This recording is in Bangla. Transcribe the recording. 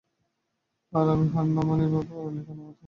আর আমি হার মানি যখন উনি কথা বন্ধ করেন।